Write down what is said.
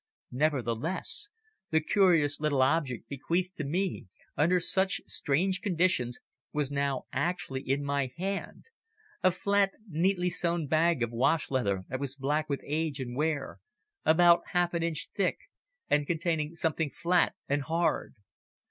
Nevertheless, the curious little object bequeathed to me under such strange conditions was now actually in my hand, a flat, neatly sewn bag of wash leather that was black with age and wear, about half an inch thick, and containing something flat and hard.